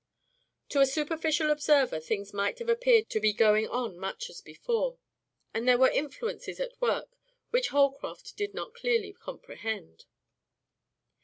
To a superficial observer things might have appeared to be going on much as before, but there were influences at work which Holcroft did not clearly comprehend.